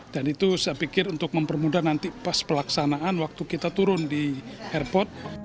dan itu saya pikir untuk mempermudah nanti pas pelaksanaan waktu kita turun di airport